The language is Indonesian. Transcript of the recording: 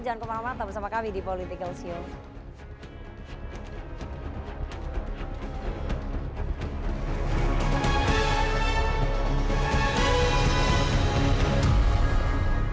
jangan kemana mana tetap bersama kami di political show